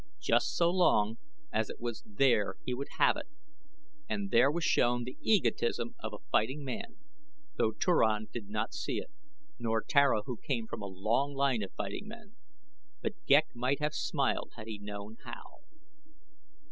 Just so long as it was there he would have it and there was shown the egotism of the fighting man, though Turan did not see it, nor Tara who came from a long line of fighting men; but Ghek might have smiled had he known how.